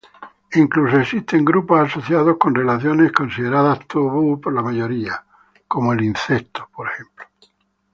Incluso existen grupos asociados con relaciones consideradas tabú por la mayoría, como el incesto.